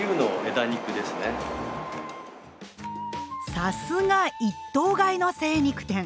さすが一頭買いの精肉店！